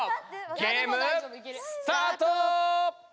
ゲームスタート！